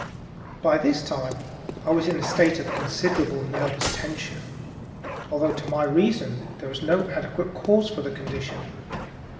By this time I was in a state of considerable nervous tension, although to my reason there was no adequate cause for my condition.